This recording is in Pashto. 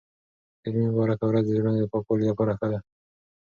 د جمعې مبارکه ورځ د زړونو د پاکوالي لپاره ښه ده.